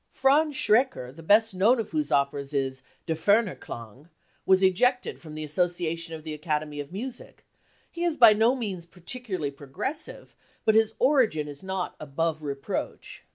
Franz Schreker, the best known of whose operas is Der Feme Klang , was ejected from the Association of the Academy of Music ; he is by no means particularly pro gressive, but his origin is " not above reproach